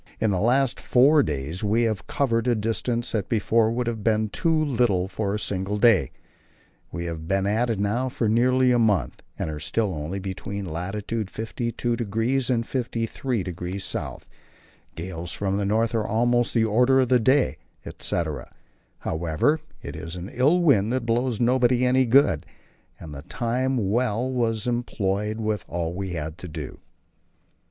In the last four days we have covered a distance that before would have been too little for a single day. We have been at it now for nearly a month, and are still only between lat. 52° and 53° S. Gales from the north are almost the order of the day," etc. However, it is an ill wind that blows nobody any good, and the time was well employed with all we had to do.